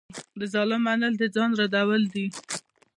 د ظالم منل د ځان ردول دي.